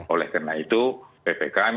oleh karena itu ppkm